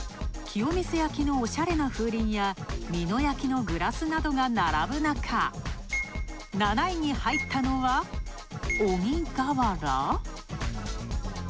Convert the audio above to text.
清水焼のおしゃれな風鈴や美濃焼きのグラスなどが並ぶなか、７位に入ったのは、鬼瓦？